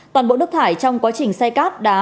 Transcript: toàn bộ nước thải trong quá trình say cát đá